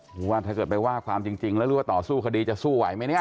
หรือว่าถ้าเกิดไปว่าความจริงแล้วหรือว่าต่อสู้คดีจะสู้ไหวไหมเนี่ย